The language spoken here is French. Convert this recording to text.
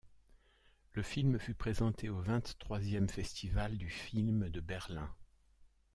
Le film fut présenté au vingt-troisième festival du film de Berlin.